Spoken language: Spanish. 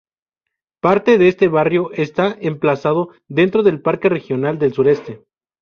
Parte de este barrio está emplazado dentro del Parque Regional del Sureste.